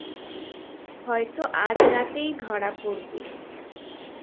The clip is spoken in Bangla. হয়তো আজ রাতেই ধরা পড়বে।